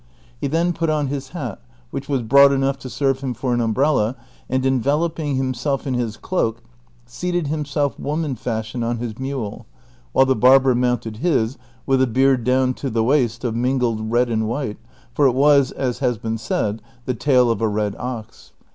He then put on his hat, which was broad enough to serve him for an umbrella, and en veloping himself in his cloak seated himself woman fashion on his mule, while the barber mounted his with a beard down to the waist of mingled red and white, for it was, as has been said, the tail of a red ox.